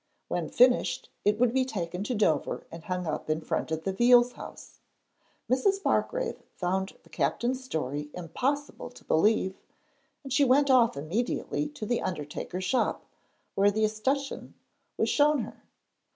When finished, it would be taken to Dover and hung up in front of the Veals' house. Mrs. Bargrave found the Captain's story impossible to believe, and she went off immediately to the undertaker's shop, where the 'escutcheon' was shown her.